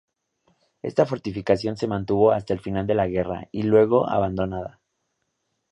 Esta fortificación se mantuvo hasta el final de la guerra y luego fue abandonada.